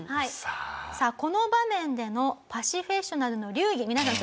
さあこの場面でのパシフェッショナルの流儀皆さん